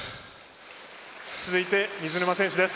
続いて、水沼選手です。